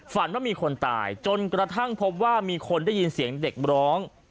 ว่ามีคนตายจนกระทั่งพบว่ามีคนได้ยินเสียงเด็กร้อง